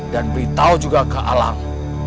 dan beritahu juga ke alang